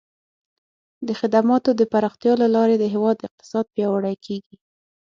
د خدماتو د پراختیا له لارې د هیواد اقتصاد پیاوړی کیږي.